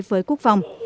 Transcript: với quốc phòng